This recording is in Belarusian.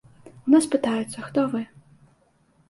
У нас пытаюцца, хто вы.